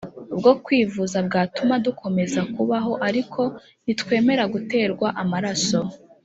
bwo kwivuza bwatuma dukomeza kubaho Ariko ntitwemera guterwa amaraso